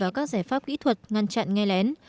và các giải pháp kỹ thuật ngăn chặn nghe lén